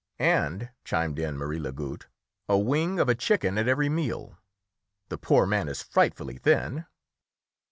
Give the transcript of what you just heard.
"And," chimed in Marie Lagoutte, "a wing of a chicken at every meal. The poor man is frightfully thin."